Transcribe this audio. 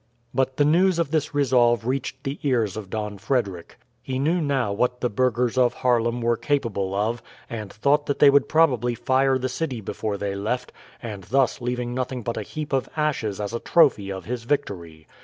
But the news of this resolve reached the ears of Don Frederick. He knew now what the burghers of Haarlem were capable of, and thought that they would probably fire the city before they left, and thus leaving nothing but a heap of ashes as a trophy of his victory.